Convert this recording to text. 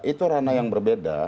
itu rana yang berbeda